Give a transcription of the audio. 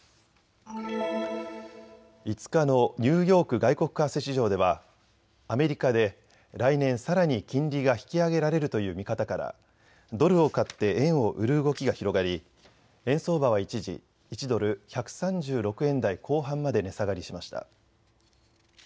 ５日のニューヨーク外国為替市場ではアメリカで来年、さらに金利が引き上げられるという見方からドルを買って円を売る動きが広がり円相場は一時１ドル１３６円台後半まで値下がりしました。